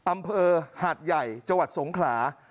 อำเภอหาดใหญ่จังหวัดสงขลา